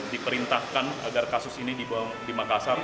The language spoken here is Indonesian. diperintahkan agar kasus ini dibawa di makassar